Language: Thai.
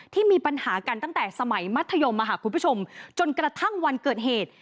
ที่มีปัญหากันตั้งแต่สมัยมัธยมคุณผู้ชมจนกระทั่งวันเกิดเหตุ